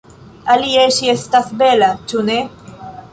Alie, ŝi estas bela, ĉu ne?